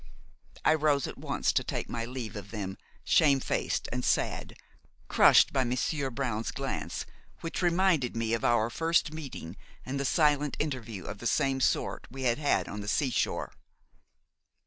I rose at once to take my leave of them, shamefaced and sad, crushed by Monsieur Brown's glance, which reminded me of our first meeting and the silent interview of the same sort we had had on the sea shore.